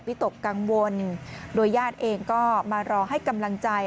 ตกกังวลโดยญาติเองก็มารอให้กำลังใจ